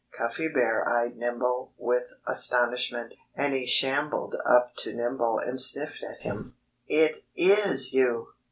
Cuffy Bear eyed Nimble with astonishment. And he shambled up to Nimble and sniffed at him. "It is you!"